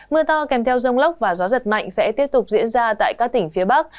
mưa to kèm theo rông lốc và gió giật mạnh sẽ tiếp tục diễn ra tại các tỉnh phía bắc